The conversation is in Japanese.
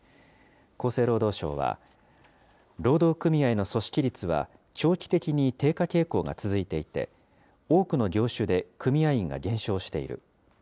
厚生労働省は、労働組合の組織率は長期的に低下傾向が続いていて、多くの業種で組合員が減少している。